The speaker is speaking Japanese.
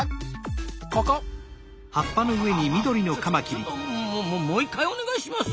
あちょっちょっともう一回お願いします。